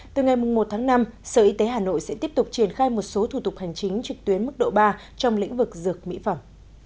từ ngày một tháng năm sở y tế hà nội sẽ tiếp tục triển khai một số thủ tục hành chính trực tuyến mức độ ba trong lĩnh vực dược mỹ phẩm